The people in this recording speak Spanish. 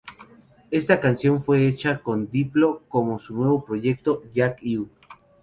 Esta canción fue hecha con Diplo, como su nuevo proyecto "Jack Ü".